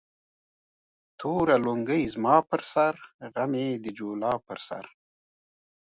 توره لنگۍ زما پر سر ، غم يې د جولا پر سر